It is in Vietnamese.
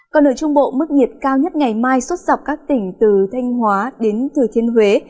còn ở trung bộ mức nhiệt cao nhất ngày mai suốt dọc các tỉnh từ thanh hóa đến thừa thiên huế